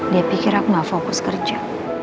dia pikir aku gak fokus kerja